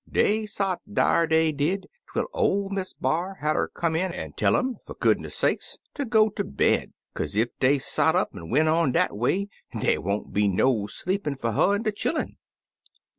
Dey sot dar, dey did, twel ol' Miss B'ar hatter come in an' tell um fer goodness' sakes ter go ter bed, kaze ef dey sot up an' went on dat away, dey won't be no sleepin' fer her an' de chillun.